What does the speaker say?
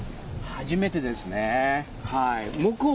初めてですね。